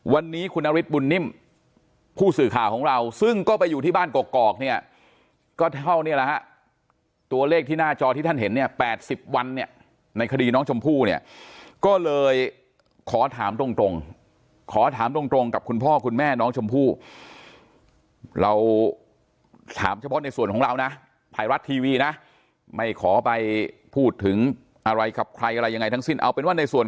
วันนี้คุณนฤทธิบุญนิ่มผู้สื่อข่าวของเราซึ่งก็ไปอยู่ที่บ้านกอกเนี่ยก็เท่านี้แหละฮะตัวเลขที่หน้าจอที่ท่านเห็นเนี่ย๘๐วันเนี่ยในคดีน้องชมพู่เนี่ยก็เลยขอถามตรงขอถามตรงกับคุณพ่อคุณแม่น้องชมพู่เราถามเฉพาะในส่วนของเรานะไทยรัฐทีวีนะไม่ขอไปพูดถึงอะไรกับใครอะไรยังไงทั้งสิ้นเอาเป็นว่าในส่วน